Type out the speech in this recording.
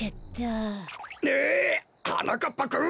えっはなかっぱくん！？